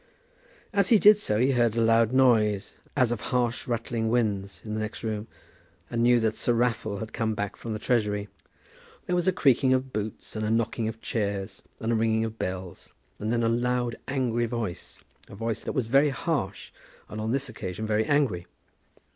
As he did so he heard a loud noise, as of harsh, rattling winds in the next room, and he knew that Sir Raffle had come back from the Treasury. There was a creaking of boots, and a knocking of chairs, and a ringing of bells, and then a loud angry voice, a voice that was very harsh, and on this occasion very angry.